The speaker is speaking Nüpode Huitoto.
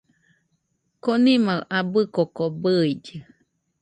Konima abɨ koko bɨillɨ